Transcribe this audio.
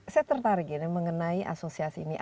saya tertarik ini mengenai asosiasi ini